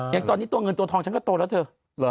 อย่างตอนนี้ตัวเงินตัวทองฉันก็โตแล้วเถอะ